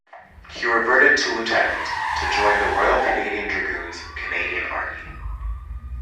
He reverted to lieutenant to join The Royal Canadian Dragoons, Canadian Army.